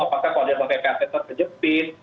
apakah kalau dia pakai kaset terkejut